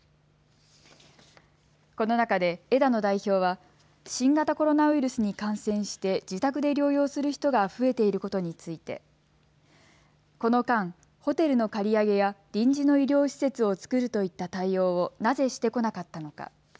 この中で枝野代表は新型コロナウイルスに感染して自宅で療養する人が増えていることについてこの間、ホテルの借り上げや臨時の医療施設をつくるといった対応をなぜしてこなかったのか。